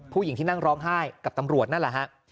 ผู้หญิงที่นั่งร้องไห้กับตำรวจนั่นแหละฮะ